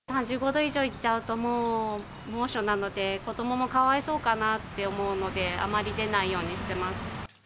３５度以上いっちゃうと、もう猛暑なので、子どももかわいそうかなと思うので、あまり出ないようにしてます。